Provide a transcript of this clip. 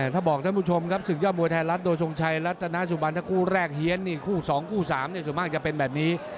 ถ้าบอกท่านผู้ชมครับศึกยอดมวยไทยรัฐโดยทรงชัยรัฐนาสุบันถ้าคู่แรกเฮียนนี่คู่๒คู่๓ส่วนมากจะเป็นแบบนี้